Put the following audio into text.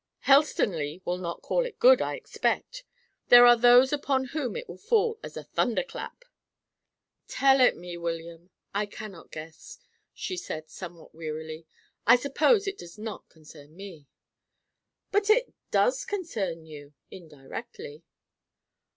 "Helstonleigh will not call it good, I expect. There are those upon whom it will fall as a thunder clap." "Tell it me, William; I cannot guess," she said, somewhat wearily. "I suppose it does not concern me." "But it does concern you indirectly."